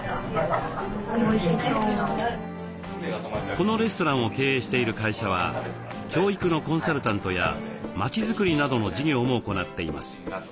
このレストランを経営している会社は教育のコンサルタントや街づくりなどの事業も行っています。